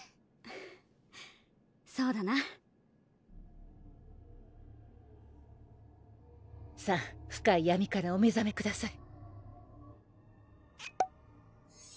そうだなさぁ深い闇からお目覚めください